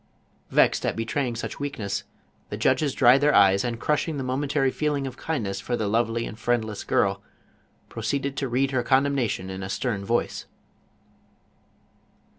Vexed at betraying such weak ness, the judges dried their eyes, and crushing the momentary feeling of kindness for the lovely and friendless girl, proceeded to read her condemnation in a stern voice.